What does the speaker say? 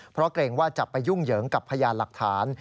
เพราะเกรงว่าจะไปยุ่งเหยิงกับพยานหลักฐาน